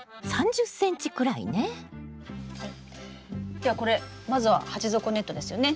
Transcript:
ではこれまずは鉢底ネットですよね。